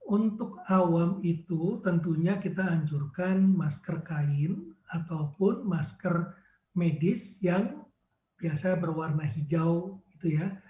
untuk awam itu tentunya kita hancurkan masker kain ataupun masker medis yang biasa berwarna hijau gitu ya